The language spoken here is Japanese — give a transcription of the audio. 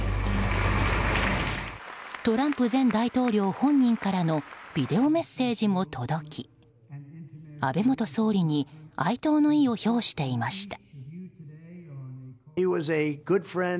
トランプ前大統領本人からのビデオメッセージも届き安倍元総理に哀悼の意を表していました。